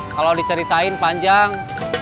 kalau diceritain panjang